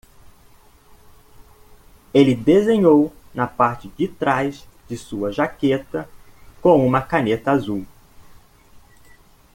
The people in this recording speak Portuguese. Ele desenhou na parte de trás de sua jaqueta com uma caneta azul.